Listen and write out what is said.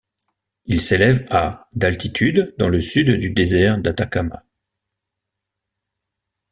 Il s'élève à d'altitude dans le sud du désert d'Atacama.